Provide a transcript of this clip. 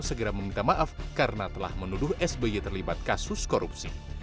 segera meminta maaf karena telah menuduh sby terlibat kasus korupsi